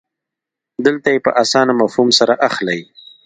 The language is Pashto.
دلته یې په اسانه مفهوم سره اخلئ.